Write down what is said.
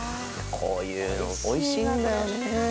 こういうの美味しいんだよね。